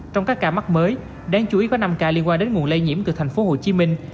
trong các ca mắc mới đáng chú ý có năm ca liên quan đến nguồn lây nhiễm từ thành phố hồ chí minh